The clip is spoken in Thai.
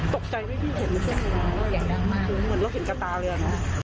ตกใจไหมพี่หลบแก่งดังมากเหมือนละเห็นกับตาเลยอ่ะน่ะ